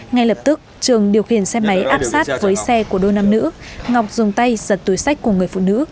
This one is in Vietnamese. ngay lập tức trường điều khiển xe máy áp sát với xe của đôi nam nữ ngọc dùng tay giật túi sách của người phụ nữ